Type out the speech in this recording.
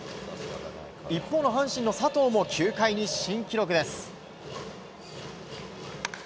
一方の阪神の佐藤も９回に新記録です。